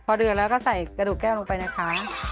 พอเดือดแล้วก็ใส่กระดูกแก้วลงไปนะคะ